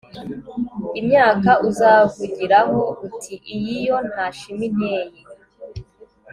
imyaka uzavugiraho uti iyi yo nta shema inteye